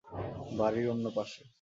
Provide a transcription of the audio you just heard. বাড়ির অন্য পাশে।